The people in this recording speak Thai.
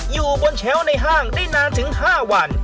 อยู่บนเชลล์ในห้างได้นานถึง๕วัน